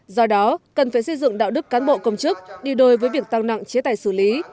do đó cần phải xây dựng đạo đức cán bộ công chức đi đôi với việc tăng nặng chế tài xử lý